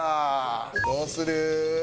どうする？